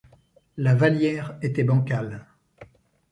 La Vallière était bancale.